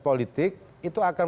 politik itu akan